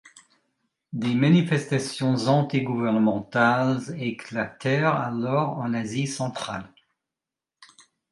Des manifestations anti-gouvernementales éclatèrent alors en Asie centrale.